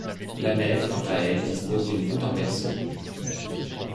La nef, quant à elle, dispose d'une voûte en berceau.